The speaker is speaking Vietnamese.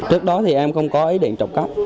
trước đó thì em không có ý định trộm cắp